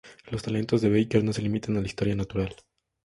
Los talentos de Baker no se limitan a la historia natural.